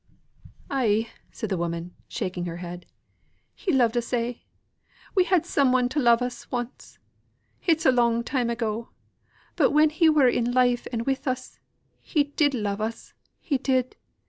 "Ay," said the woman, shaking her head, "he loved us a'. We had some one to love us once. It's a long time ago; but when he were in life and with us he did love us, he did.